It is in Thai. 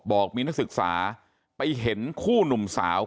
บอกมีนักศึกษาไปเห็นคู่หนุ่มสาว